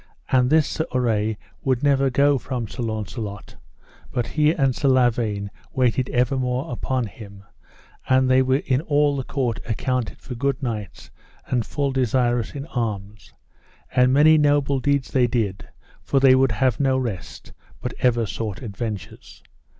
And this Sir Urre would never go from Sir Launcelot, but he and Sir Lavaine awaited evermore upon him; and they were in all the court accounted for good knights, and full desirous in arms; and many noble deeds they did, for they would have no rest, but ever sought adventures.